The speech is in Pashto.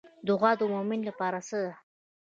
دعا د مومن لپاره څه ده؟